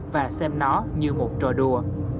và xem nó như một trò đùa